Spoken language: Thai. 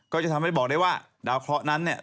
ก็จะทำให้บอกได้ว่าดาวเคราะห์นั้นเนี่ย